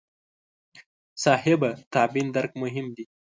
صحابه تابعین درک مهم دي.